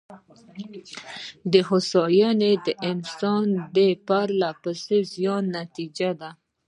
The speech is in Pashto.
هوساینه د انسان د پرله پسې زیار نتېجه ده.